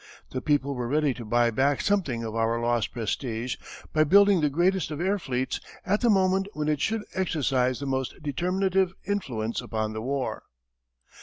The people were ready to buy back something of our lost prestige by building the greatest of air fleets at the moment when it should exercise the most determinative influence upon the war.